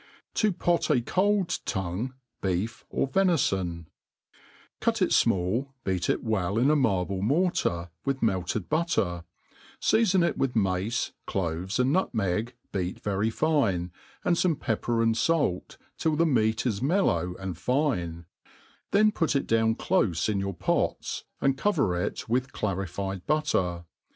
Tapc/t a cold T^ngttty B^efj or Ventfon, CUT it fmall, beat it well in a marble mortar, with melted butter, feafon it wkh mace^ cloves, and nutmeg, beat very fine, and fome pepper and fait, till the meat is mellow and fine ; then put it down clofe in your pots, and cover it with clarified butter.